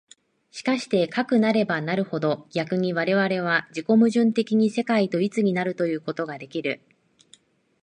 しかしてかくなればなるほど、逆に我々は自己矛盾的に世界と一つになるということができる。